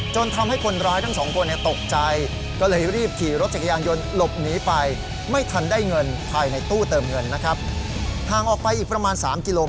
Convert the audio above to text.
จนทำให้คนร้ายทั้งสองคนเนี่ยตกใจก็เลยรีบขี่รถจักรยานยนต์หลบหนีไป